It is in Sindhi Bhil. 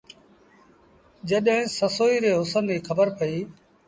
جڏهيݩ سسئيٚ ري هُسن ريٚ کبرپئيٚ۔